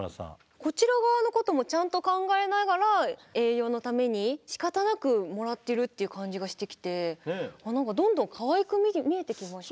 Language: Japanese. こちら側のこともちゃんと考えながら栄養のためにしかたなくもらってるっていう感じがしてきてどんどんかわいく見えてきました。